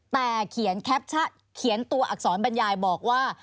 แต่เขียนแคปชั่นเขียนตัวอักษรบรรยายบอกว่า